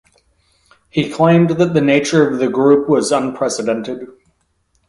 He claimed that the nature of the group was "unprecedented".